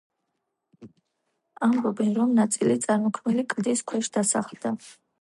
ამბობენ, რომ ნაწილი წარმოქმნილი კლდის ქვეშ დასახლდა.